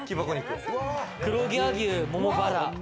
黒毛和牛ももバラ。